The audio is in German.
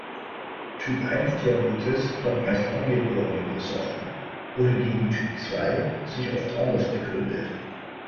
Typ-eins-Diabetes hat meist angeborene Ursachen, wohingegen Typ zwei sich oft anders begründet.